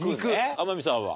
天海さんは？